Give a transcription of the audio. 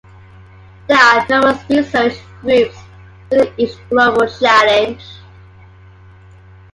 There are numerous research groups within each Global Challenge.